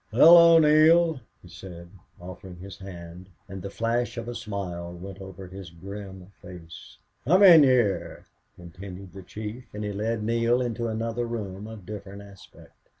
"Hello, Neale!" he said, offering his hand, and the flash of a smile went over his grim face. "Come in here," continued the chief, and he led Neale into another room, of different aspect.